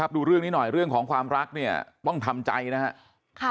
ดูเรื่องนี้หน่อยเรื่องของความรักเนี่ยต้องทำใจนะครับ